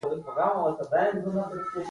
باد د اور د خپرېدو سبب هم کېږي